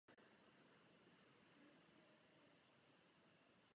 V době občanské války maják byl mimo provoz.